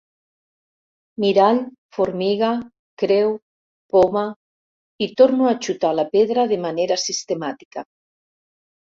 «mirall, formiga, creu, poma» i torno a xutar la pedra de manera sistemàtica.